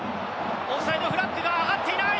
オフサイドフラッグが上がっていない！